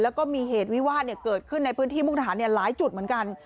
แล้วก็มีเหตุวิวาสเกิดขึ้นในพื้นที่มุกดาหารหลายจุดเหมือนกัน